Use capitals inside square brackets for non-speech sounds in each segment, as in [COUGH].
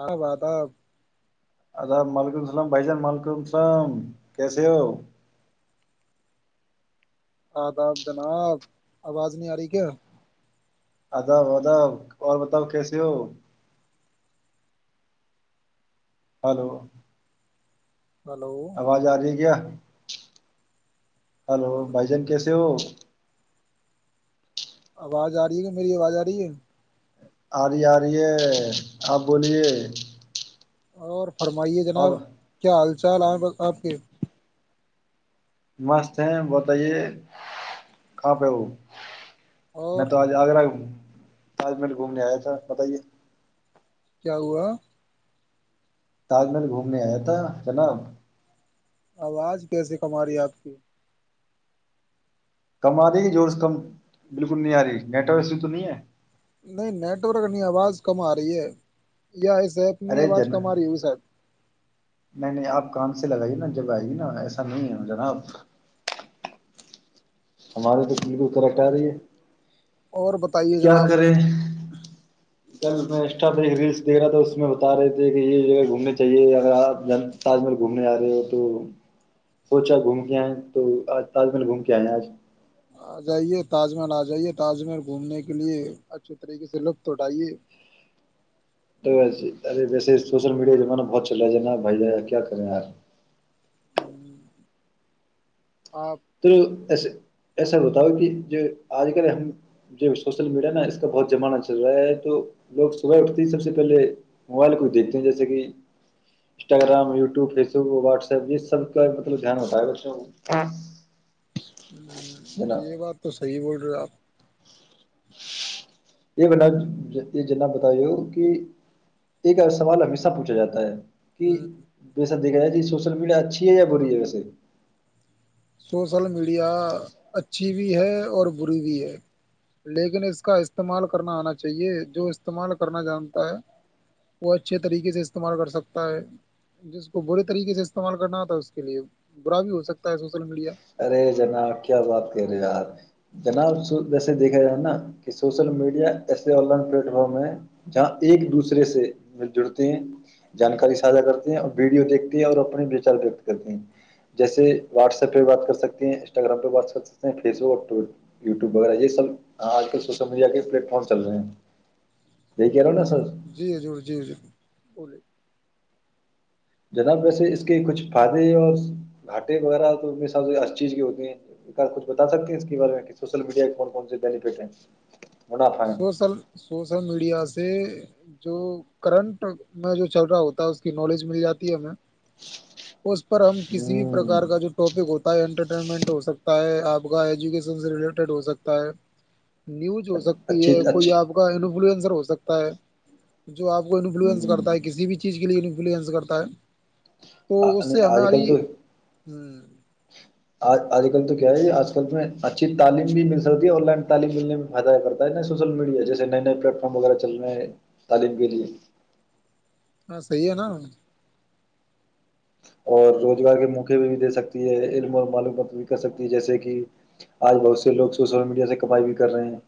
آاب آداب [UNINTELLIGIBLE] ا ح وعلیکم السلام بھائی جان و علیکم السلام کیسے ہو [UNINTELLIGIBLE] آداب جناب آواز نہیں آ رہی کیا [UNINTELLIGIBLE] اداب اداب اور بتاؤ کیسیے ہو [UNINTELLIGIBLE] ہلو [UNINTELLIGIBLE] ہلو آواز آ رہی ہے کیا [UNINTELLIGIBLE] ہلو بھجن کیس [UNINTELLIGIBLE] دوو [UNINTELLIGIBLE] آواز آ رہی ہے کہ میری آواز آ رہی ہے [UNINTELLIGIBLE] آرے آ رہے آپ بولیے [UNINTELLIGIBLE] اور [UNINTELLIGIBLE] فرمائیے اور جناب کیا حال [UNINTELLIGIBLE] چال آئیں بس آپ کے [UNINTELLIGIBLE] مست ہے بتائیے کہاں پہ ہ [UNINTELLIGIBLE] میں اور تو آج آگرہ [UNINTELLIGIBLE] پانچ منٹ گھومنے آیا تھا بتائیے [UNINTELLIGIBLE] کیا ہوا [UNINTELLIGIBLE] تاج محل گھومنے آیا تھا جناب [UNINTELLIGIBLE] آواز کیسے کم رہی آپ کی [UNINTELLIGIBLE] کم آ رہی ہے جوور سے کم بالکل نہیں آ رہی نیٹور ایسی تو نہیں ہے [UNINTELLIGIBLE] نہیں نیٹورک نہیں آواز کم آ رہی ہے [UNINTELLIGIBLE] یا ہے صحت میں ارے آواز جن کم آ رہی ہو نہیں صحب [UNINTELLIGIBLE] نہیں آپ کان سے لگائیے نا جب آئیے نا ایسا نہیں ہے جناب [UNINTELLIGIBLE] ہماری تو بالکل کریکٹ آ رہی ہے [UNINTELLIGIBLE] اور بتائیے کیا جناب کریں [UNINTELLIGIBLE] کل میں انسٹا پہ ایک ریلس دیکھ رہا تھا اس میں بتا رہے تھے کہ یہ جگہ گھومنے چاہیے اگر آپ تاج محل گھومنے آ رہے ہو تو سوچا گھوم کے آئئے تو تاج محل گھوم کے آئے آج آ جائیے تاج محل آ جائیے تاج محل گھومنے کے لیے اچھے طریقے سے لطف اٹھائیے تو و ارے ویسے سوشل میڈیا کا زمانہ بہت چل رہا ہے نا بھائی کیا کریں ار ہوں [UNINTELLIGIBLE] توھر [UNINTELLIGIBLE] ایسے ایسا بتاؤ کہ جو آج کل ہم جو سوشل میڈیا نا اس کا بہت زمانہ چل رہا ہے تو لوگ صبح اٹھتے ہی سب سے پہلے موبائل کو دیکھتے ہیں جیسے کہ Instagram YouTube Facebook WhatsApp یہ سب کا مطلب دھیان ہوتا ہے بچوں کو ہ جناب یہ بات تو صحی بول [INAUDIBLE] یہ بنا یہ جنا بتائی ہو کہ ایک سوال ہمیشہ پوچھا جاتا ہے کہ ہوں، بے سک [UNINTELLIGIBLE] جی سوشل میڈیا اچھی ہے یا بری ہے ویسے سوسل میڈیا اچھی بھی ہے اور بری بھی ہے لیکن اس کا استعمال کرنا آنا چاہیے جو استعمال کرنا جانتا ہے وہ اچھے طریقے سے استعمال کر سکتا ہے جس کو برے طریقے سے استعمال کرنا آتا ہے اس کے لیے برا بھی ہو سکتا ہے س ارے جناب کیا بات کر رہے یار جناب جیسے دیکھا جائے نا کہ سوشل میڈیا ایسے آن لائن پلیٹ فارم ہے جہاں ایک دوسرے سے مل جڑتے ہیں جانکاری ساھا کرتے ہیں اور ویڈیو دیکھتے ہیں اور اپنے وچار ویکت کرتے ہیں جیسے واٹس ایپ پہ بات کر سکتی ہیں انسٹاگرام پہ بات کر سکتے ہیں فیس بک یوٹیوب وغیرہ یہ سب ہ آج کل سوشل میڈیا کے پلیٹ فارم چل رہے ہیں یہی کہہ رہا ہوں نا جی سر جی ضور جی ضور بلیے [UNINTELLIGIBLE] جناب ویسے اس کے کچھ فائدے اور گھاٹے وغیرہ تو سے ہر چیز کے ہوتی ہیںار کچھ بتا سکتے ہیں اس کے بارے میں کہ سوشل میڈیا کے کون کون سے بینیفٹ ہیں منافع ہے سوشل سوشل میڈیا سے سے جو کرنٹ میں جو چل رہا ہوتا ہے اس کی نالج مل جاتی ہے ہمیں اس پر ہم کسی بھی ہوں پرکار کا جو ٹاپک ہوتا ہے انٹر ٹ ہو سکتا ہے آپ کا ایجوکیشن سے ریلیٹڈ ہو سکتا ہے نیوز ہو سکتا اچھی یہ اچھی کوئی آپ کا فوسر ہو سکتا ہے [UNINTELLIGIBLE] جو آ کو انفلوئنس ہوں کرتا ہے کسی بھی چیز کے لیے ایبلیینس کرتا ہے [UNINTELLIGIBLE] تو اس نہیں سے آج ہماری ہ آ آج کل تو کیا ہے آج کل میں اچھی تعلیم بھی مل سکتی ہے آن لائن تعلیم ملنے میں فائدہ کرتا ہے ن سوشل میڈیا جیسے نئے نئے پلیٹ فارم وغیرہ چل رہے ہیں تعلیم کے لیے ہاں صحی ہے نا اور روزگار کے موقے پہ بھی دے سکتی ہے علم اور معلومات بھی کر سکتی ہے جیسے کہ آج بہت سے لوگ سوشل میڈیا سے کپائی بھی کر رہے ہیں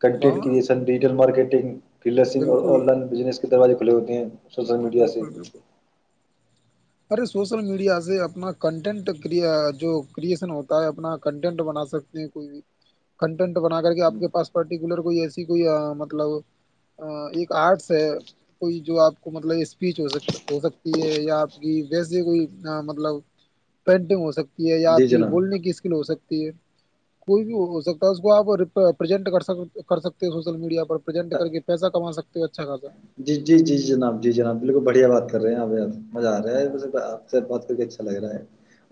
کنٹیکٹ وہاں کیے سن ڈیجیٹل مارکیٹ [UNINTELLIGIBLE] فلنگ اور بالکل آن لائن بزنس دروازے کلھے ہوتے ہیں سوشل میڈیا سے بالکل بالکل ارے سوشل میڈیا سے اپنا کنٹینٹ جو کریئشن ہوتا ہے-اپنا کنٹینٹ بنا سکتے ہیں کوئی کنٹینٹ بن کر کے آپ کے پاس پرٹیکولر کوئی ایسی کوئی مطلب ایک آرٹس ہے کوئی جو آپ کو مطلب اسپیچ ہو ہو سکتی ہے یا آپ کہ جیسے کوئی مطلب پینٹنگ ہو سکتی یا آپ جی کی بولنے جناب کی اسکل ہو سکتی [UNINTELLIGIBLE] کوئی بھی ہو سکتا ہے اس کو آپزینٹ سکتے ہو سوشل میڈیا پر پرزینٹ کر کے پیسہ کما سکتے ہو اچھا خاصا [UNINTELLIGIBLE] جی جی جی جناب جی جناب بالکل بڑھیا بات کر رہے ہیں اب مزہ آ رہا ہے آپ سے بات کر کے اچھا لگ رہا ہے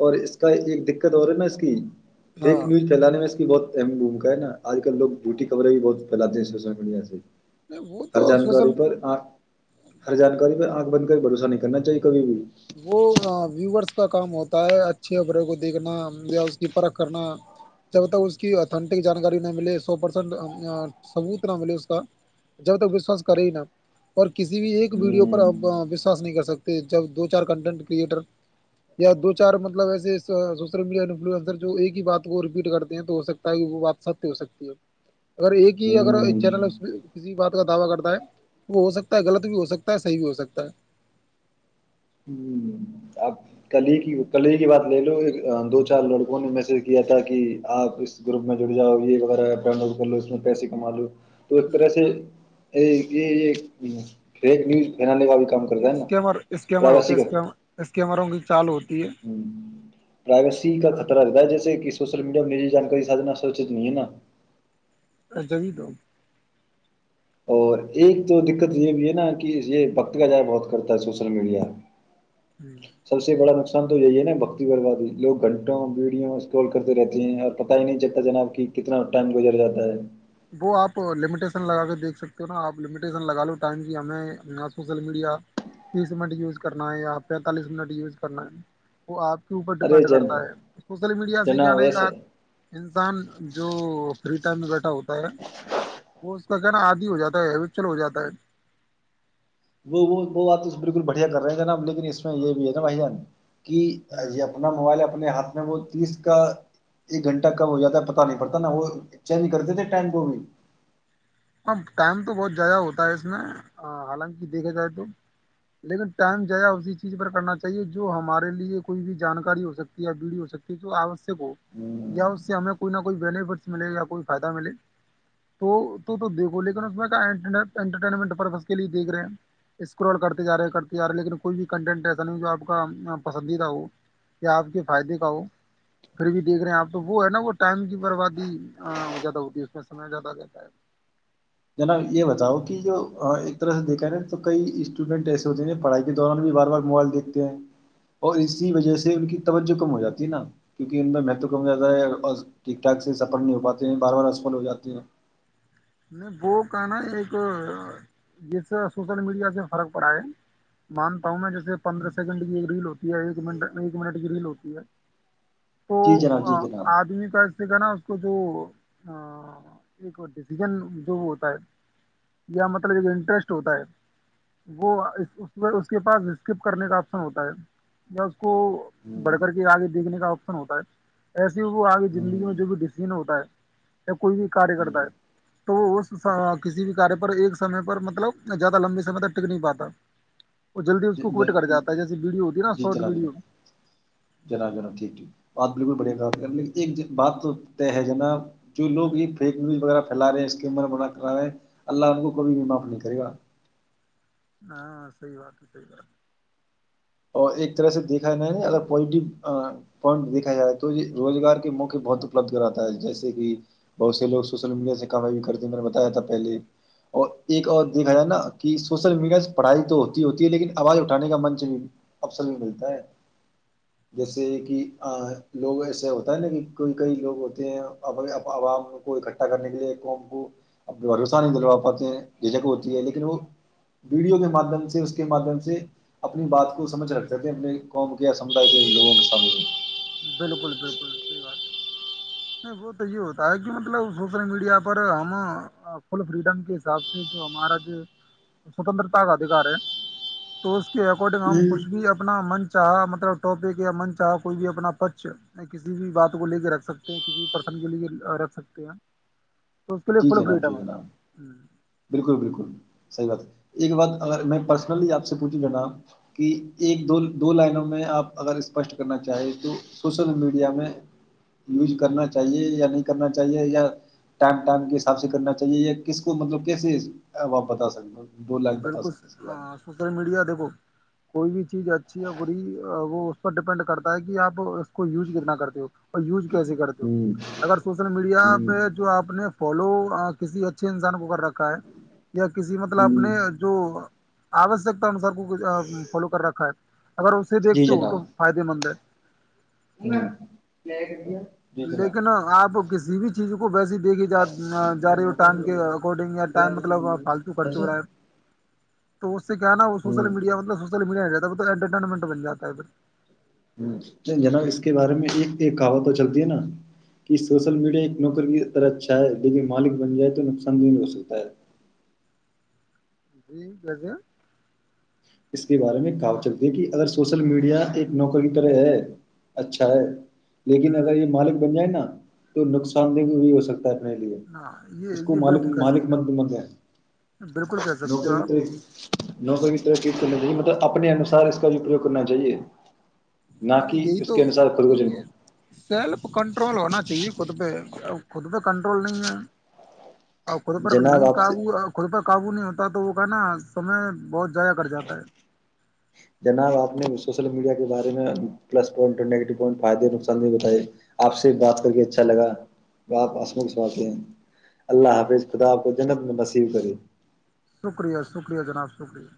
اور اس کا ایک دقت اور ہے نا اس کی [UNINTELLIGIBLE] فیک ہاں نیوز فھیلانے میں اس کی بہت [UNINTELLIGIBLE] اہم بھومکا نا آج کلوگ ڈوٹی کبریں بھی بہت پھیلاتے ہیں سوشل میڈیا سے [UNINTELLIGIBLE] نہیں وہ ہر تو سوشل جانکاری [UNINTELLIGIBLE] پر ہر جانکاری پہ [UNINTELLIGIBLE] بن کر بھرسہ نہیں کرنااہیے کبھی بھی [UNINTELLIGIBLE] وہ ویوورس کا [UNINTELLIGIBLE] ہوں [UNINTELLIGIBLE] دو چار کنٹینٹ کریئٹر یا دو چار مطلب ایسے سوشل میڈیا انفلئسر جو ایک ہی بات کو رپیٹ کرتے ہیں تو ہو سکتا ہے وہ بات ست ہو سکتی ہے اگر ایک ہی اگر ایک ہوں چینل کسی بات کا دعوی کرتا ہے وہ ہو سکتا ہے غلط بھی ہو سکتا ہے صحیح بھی ہو سکتا ہے ہوں آپ کل ہی کی کل ہی کی بات لے لو ایک دو چار لڑکوں نے میسج کیا تھا کہ آپ اس گروپ میں جڑ جاؤ یہ وغیرہ ڈن لڈ کر لو اس میں پیسے کما لو تو اس ہے طرح سے یہ یہ فیک نیوز فنا لے کاا [UNINTELLIGIBLE] جی اسکمر اسکمر ہوتے [UNINTELLIGIBLE] کیمرا گ چالو ہو ہ پرائیویسی کا خطرہ رہتا ہے جیس [UNINTELLIGIBLE] سوشل میڈیا میں میری جانکاری سھنا سچت نہیں ہے نا [UNINTELLIGIBLE] جب دوں [UNINTELLIGIBLE] اور ایک تو دقت یہ بھی ہے نا کہ یہ وقت کا جائے بہت کرتا ہے سوشل میڈیا [UNINTELLIGIBLE] سب سے بڑا نق [UNINTELLIGIBLE] پند تو یہی ہے نا بکتی بربادی لوگ گھنٹوں ویڈیو اسکال کرتے رہتے ہیں اور پت ہی نہیں چلتا جناب کہ کتنا ٹائم گزر جاتا ہے [UNINTELLIGIBLE] وہ آپ لمیٹیسن لگا کے دیکھ سکتے ہو نا آپ لمیٹیسن لگا لو ٹائم کی ہمیں سوسل میڈیا تیس منٹ یوز کرنا ہے یا پینتالیس منٹ یوز کرنا ہے وہ آپ [UNINTELLIGIBLE] کے اوپر ارے ڈپینڈ جن کرتا ہے سوسل میڈیا سے کیا جناب ن کہ ویسے انسان جو [UNINTELLIGIBLE] فریٹائم ر بیٹاؤت [UNINTELLIGIBLE] وہ اس کا کہ نا آدی ہو جاتا ہےچل ہو جاتا ہے [UNINTELLIGIBLE] وہ وہ وہ بات تو بالکل بڑھیا کر رہے ہیں ج ناب لیکن اس میں یہ بھی ہے نا بھائیان [UNINTELLIGIBLE] کی ہوں، آی آپنا موبائل [UNINTELLIGIBLE] اپنے ہاتھ میں وہ تیس کا ایک گھنٹہ کم ہو جاتا ہے پت نہیں پڑتا نا وہ چینج کرتے تھے ٹائم کو بھی اب ٹائم تو بہت ضیاع ہوتا ہے اس میں حالانکہ دیکھا جائے تو لیکن ٹائم ضیاہ اسی چیز پر کرنا چاہیے جو ہمارے لیے کوئی بھی جانکاری ہو سکتی ہے یا ویڈیو ہو سکتی ہے جو آوشک ہو یا اس سے ہمیں کوئی نہ کوئی بینیفٹس ملے یا کوئی فائدہ ملے تو تو دیکھو لیکن اس میں کا انٹرٹینمنٹ پرپز کے لیے دیکھ رہے ہیں اسکرال کرتے جا رہے ہیں کرتے جا رہے ہیں لیکن کوئی بھی کنٹینٹ ایسا نہیں جو آپ کا پسندیدہ ہو یا آپ کے فائدے کا ہو پھر بھی دیکھ رہے ہیں آپ تو وہ ہے نا وہ ٹائم کی بربادی زیادہ ہوتی ہے اس میں سمے زیادہ آ جاتا ہے جناب یہ بتاؤ کہ جو ایک طرح سے دیکھا ہے نا تو کئی اسٹوڈنٹ ایسے ہوتے ہیں جو پڑھائی کے دوران بھی بار بار موبائل دیکھتے ہیں اور اسی وجہ سے ان کی توجہ کم ہو جاتی ہے نا کیونکہ ان میں مہتو کم ہو جاتا ہے اور ٹھیک ٹھاک سے سفر نہیں ہو پاتے ہیں بار بار اسپل ہو جاتے ہیں میں وہ کا نا ایک جس سوشل میڈیا سے فرق پڑا ہے مانتا ہوں میں جیسے پندرہ سیکنڈ کی ایک ریل ہوتی ہے ایک مٹ ایک منٹ کی ریل ہوتی ہے [UNINTELLIGIBLE] تو جی جناب جی جناب آدمی کا [UNINTELLIGIBLE] کہ نا اس کو جو ایک ڈ [UNINTELLIGIBLE] ڈسیزن جو وہ ہوتا ہے یا مطلب ایک انٹرسٹ ہوتا ہے وہ اس پ اس کے پاس اسکپ کرنے کا آپشن ہوتا ہے یا اس کو ہوں بڑھ کر کے آگے دیکھنے کا آپشن ہوتا ہے ایسے ہی وہ آگے ہوں زندگی میں جو بھی ڈسیزن ہوتا ہے یا کوئی بھی کاریہ ہوں کرتا ہے تو اس کسی بھی کاریہ پر ایک سمے پر مطلب زیادہ لمبے سمے تک ٹک نہیں پاتا وہ جلدی اس ج کو ج کوئٹ کر جاتا ہے جیسے ویڈیو ہوتی ہے نا جی شارٹ جناب ویڈیو جناب جناب جناب ٹھیک ٹھیک بات بالکل بڑھیا کہا ایک بات تو طے ہے ج نا جو لو یہ فیک نیوز وغیرہ پھیلا رہے اسک بنا کرا رہے اللہ آپ کو کبھی بھی معاف نہیں کرے گا ہاں سحی بات ہے سحی بات ہے اور ایک طرح سے دیکھا ج ہے ن اگر پوزیٹو پوائنٹ دیکھا جائے تو یہ روزگار کے موقع بہت اپلبد کراتا ہے جیسے کہ بہت سے لوگ سوشل میڈیا سے کمائی بھی کرتے میں نے بتایاات تھا پہلے اور ایک اور دیکھا جائے نا کہ سوشل میڈیا سے پڑھائی تو ہوتی ہوتی ہے لیکن آواز اٹھانے کا منچ بھی اسر بھی ملتا ہے جیسے کہ لوگ ایسے ہوتا ہے نا کہ کوئی کئی لوگ ہوتے ہیں عوام کو اکٹھا کرنے کے لیے قوم کو بھروسہ نہیں دلوا پاتے ہیں جھجک ہوتی ہے لیکن وہ ویڈیو کے مادھیم سے اس کے ماددھیم سے اپنی بات کو سمجھ رکھتے تھے اپنے قوم کیا سمدائے کے لوگوں سام بالکل بالکل صحی بات ہے نہیں وہ تو یہ ہوتا ہے کہ مطلب سوشل میڈیا پر ہم فل فریڈم کے حساب سے جو ہمارا جو سوتنترتا کا ادھیکار ہے تو اس کے اکارڈنگ ہم کچھ بھی اپنا منچ چاہا مطلب ٹاپک یا من چاہ کوئی بھی اپنا کچ کسی بھی بات کو لے کے رکھ سکتے ہیں کسی بھی پرسن کے لیے رکھ سکتے ہیں تو اس کے لیے جی ف جناب جی فٹم ہے جناب ہ بالکل بالکل صحیح بات ہے ایک بات اگر میں پرسنلی آپ سے پوچھوں ج نا کہ ایک دو دو لائنوں میں آپ اگر اسپشٹ کرنا چاہیں تو سوشل میڈیا میں یوج کرنا چاہیے یا نہیں کرنا چاہیے یا ٹائم ٹائم کے حساب سے کرنا چاہیے یا کس کو مطلب کسی وپ بتا ستے ہو [UNINTELLIGIBLE] بتا بالکل سکتے اس کے بارے سوشل میڈیا دیکھو کوئی بھی چیز اچھی بری وہ اس پر ڈیپینڈ کرتا ہے کہ آپ یوز کتنا کرتے ہو اور یوز کیسے کرتے ہو میں ہوں اگر سوشل میڈیا ہوں پہ جو آپ نے ف فالو کسی اچھے انسان کو کر رکھ ہے یا کسی مطلبپ [UNINTELLIGIBLE] ہوں اپنے جو [UNINTELLIGIBLE] آوشکتا انسار کوھ فالو کر رکھا ہے اگر اسے دیکھتے ہو تو فائدے مند ہے گیا لیکن آپ کس کسی بھی چیزوں کو ویسی دیکھیے جا جا رہی ہو ٹائم کے اکارڈنگ یا ٹائم مطلب فالتو خرچ ہو رہا ہے تو اس اس کہناا وہ ہوں سوشل مڈیا مطلب س جاتا ہے تو انٹرٹینمنٹ بن جاتا ہے پھر ہ جناب اس کے بارے میں ایک ایک کہاوا تو چلتی ہے نا کہ سوشل میڈیا ایک نوکر کی طرح اچھا ہے لیکن مالک بن جائے تو نقصان دہ ہو سکتا ہے جی کیسے ہیں [UNINTELLIGIBLE] اس کے بارے میں کہاو چلتی ہے کہ اگر سوشل میڈیا ایک نوکر کی طرح ہے اچھا ہے لیکن ہوں اگر یہ مالک بن جائے نا تو نقصان دہگ بھی ہو سکتا اپنے لیے ہاں یہ اس کو یہ مک بالکل کہہ مالک سکتے مند مند ہیں ہو بالکل کہہ نوک سکتے ہو کی طری آپ نوکری کی کرنا چاہیے مطلب اپنے انسار اس کا جو اپوگ کرنا چاہیے نہ ارے کہ یہی اس تو کے انوسار خود یہ کو سیلف کنٹرول ہونا چاہیے خود پہ خود پہ کنٹرول نہیں ہے اور خود پر جناب نہیں آپ سے کاابو خ پر قابو نہیں ہوتبا تو وہ کہ نا سمے بہت ضائدہ کٹ جاتا ہے جناب آپ نے سوشل میڈیا کے بارے میں پلسوائنٹ نیووٹ فائدے نقصان بھی بتائے آپ سے بات کر کے اچھا لگا آپ موات ہیں اللہ حافظ خدا آ کو جنت میں نصب کرے سکریہ سکریہ جنا سکریہ